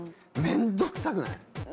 面倒くさくない？